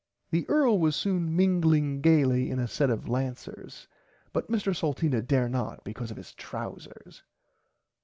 The earl was soon mingling gaily in a set of lancers but Mr Salteena dare not because of his trousers.